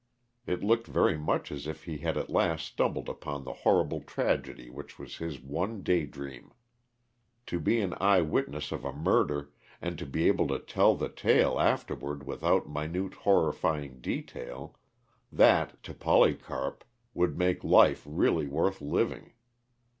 It looked very much as if he had at last stumbled upon the horrible tragedy which was his one daydream. To be an eyewitness of a murder, and to be able to tell the tale afterward with minute, horrifying detail that, to Polycarp, would make life really worth living.